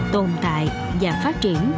tồn tại và phát triển